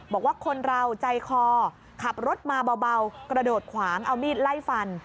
บอกว่าคนเราใจคอขับรถมาเบากระโดดขวางเอามีดไล่ฟัน